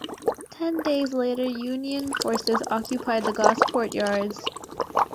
Ten days later Union forces occupied the Gosport Yards.